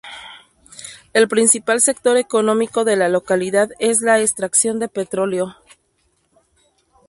El principal sector económico de la localidad es la extracción de petróleo.